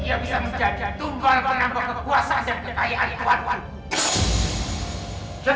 ia bisa menjadi tumpuan penampak kekuasaan dan kekayaan tuhan